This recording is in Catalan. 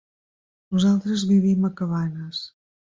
Nosaltres vivim a Cabanes.